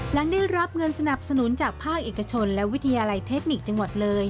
หลังได้รับเงินสนับสนุนจากภาคเอกชนและวิทยาลัยเทคนิคจังหวัดเลย